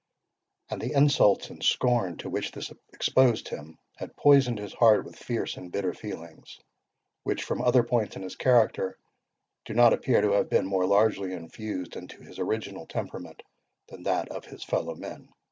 And the insults and scorn to which this exposed him, had poisoned his heart with fierce and bitter feelings, which, from other points in his character, do not appear to have been more largely infused into his original temperament than that of his fellow men.